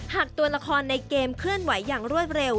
ตัวละครในเกมเคลื่อนไหวอย่างรวดเร็ว